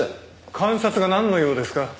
監察がなんの用ですか？